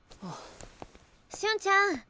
瞬ちゃん。